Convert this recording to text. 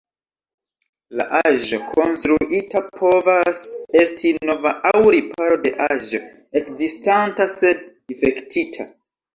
La aĵo konstruita povas esti nova aŭ riparo de aĵo ekzistanta sed difektita.